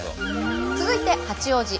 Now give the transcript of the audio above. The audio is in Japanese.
続いて八王子。